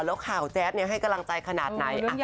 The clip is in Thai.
แล้วข่าวแจ๊ดให้กำลังใจขนาดไหน